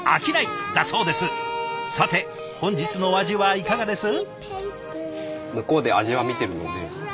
さて本日のお味はいかがです？